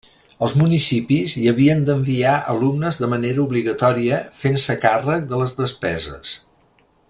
Els municipis hi havien d'enviar alumnes de manera obligatòria, fent-se càrrec de les despeses.